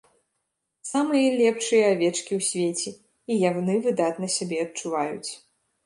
Самыя лепшыя авечкі ў свеце, і яны выдатна сябе адчуваюць.